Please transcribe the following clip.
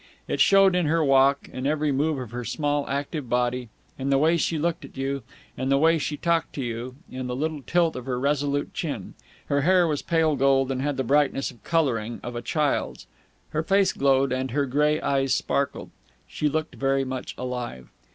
It showed in her walk, in every move of her small, active body, in the way she looked at you, in the way she talked to you, in the little tilt of her resolute chin. Her hair was pale gold, and had the brightness of colouring of a child's. Her face glowed, and her grey eyes sparkled. She looked very much alive.